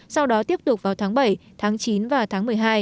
sau đó tiếp tục vào tháng bảy tháng chín và tháng một mươi hai